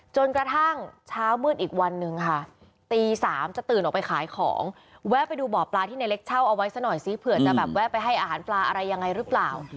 จนกระทั่งเช้ามืดอีกวันนึงค่ะตี๓จะตื่นออกไปขายของแวะไปดูบ่อปลาที่ในเล็กเช่าเอาไว้ซะหน่อยซิเผื่อจะแบบแวะไปให้อาหารปลาอะไรยังไงหรือเปล่า